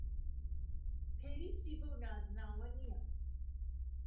پێویستی بهو نازناوه نییه